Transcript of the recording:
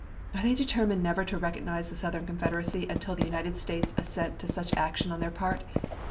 "Are they determined never to recognize the Southern Confederacy until the United States assent to such action on their part?